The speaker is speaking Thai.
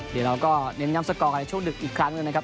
เดี๋ยวเราก็เน้นย้ำสกอร์กันในช่วงดึกอีกครั้งหนึ่งนะครับ